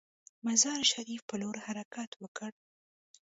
مزار شریف پر لور حرکت وکړ.